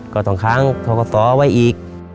ก็สองครั้งท้องกะซ้อไว้อีก